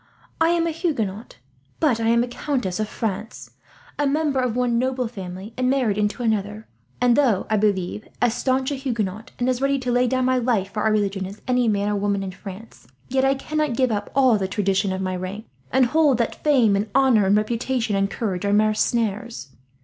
I am a Huguenot, but I am a countess of France, a member of one noble family and married into another; and though, I believe, as staunch a Huguenot, and as ready to lay down my life for our religion as any man or woman in France, yet I cannot give up all the traditions of my rank, and hold that fame and honour and reputation and courage are mere snares.